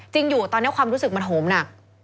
อยู่ตอนนี้ความรู้สึกมันโหมหนัก